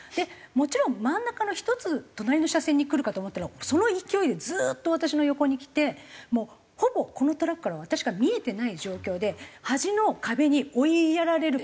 もちろん真ん中の１つ隣の車線に来るかと思ったらその勢いでずーっと私の横に来てもうほぼこのトラックからは私が見えてない状況で端の壁に追いやられる感じ。